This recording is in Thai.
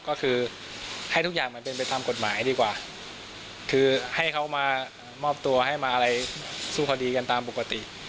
ก็คือให้ทุกอย่างมันเป็นไปตามกฎหมายดีกว่าคือให้เขามามอบตัวให้มาอะไรสู้คดีกันตามปกติ